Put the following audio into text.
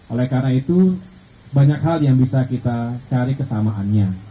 oleh karena itu banyak hal yang bisa kita cari kesamaannya